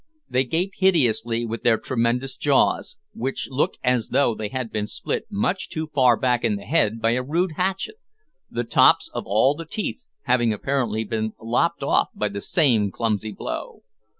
They gape hideously with their tremendous jaws, which look as though they had been split much too far back in the head by a rude hatchet the tops of all the teeth having apparently been lopped off by the same clumsy blow.